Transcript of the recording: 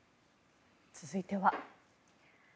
続いては。